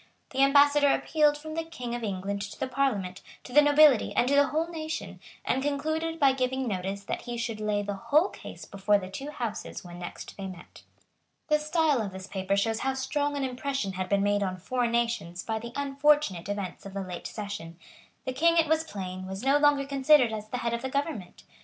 The ambassador appealed from the King of England to the Parliament, to the nobility, and to the whole nation, and concluded by giving notice that he should lay the whole case before the two Houses when next they met. The style of this paper shows how strong an impression had been made on foreign nations by the unfortunate events of the late session. The King, it was plain, was no longer considered as the head of the government.